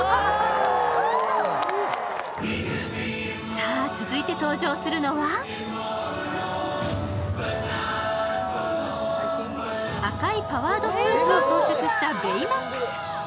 さあ続いて登場するのは赤いパワードスーツを装着したベイマックス。